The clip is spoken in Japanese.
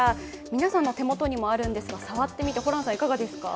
皆さんの手元にもあるんですが、触ってみて、ホランさん、いかがですか？